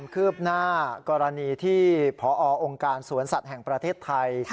คืบหน้ากรณีที่พอองค์การสวนสัตว์แห่งประเทศไทย